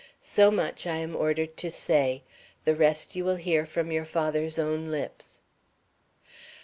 So much I am ordered to say; the rest you will hear from your father's own lips."